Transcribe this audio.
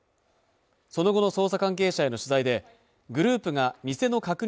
その後の捜査関係者への取材でグループが偽の確認